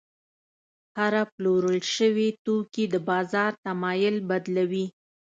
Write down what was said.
هره پلورل شوې توکي د بازار تمایل بدلوي.